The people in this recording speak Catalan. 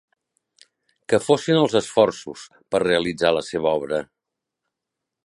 Que fossin els esforços, per realitzar la seva obra